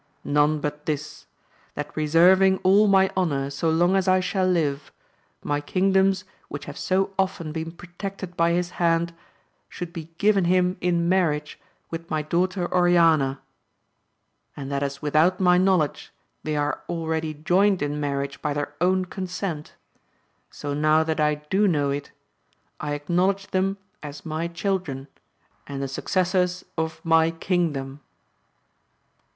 none but this, that reserving all my honour so long as I shall live, my kingdoms, which have so often been protected by his hand, should be given him in marriage with my daughter Oriana ; and that as without my knowledge they are already joined in marriage by their own consent, so now that I do know it, I acknowledge them as my children, and the successors of my king dom.